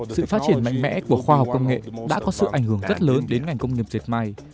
sự phát triển mạnh mẽ của khoa học công nghệ đã có sự ảnh hưởng rất lớn đến ngành công nghiệp dệt may